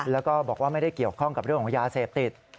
แล้วก็บอกว่าไม่ได้เกี่ยวข้องกับเรื่องของยาเสพติด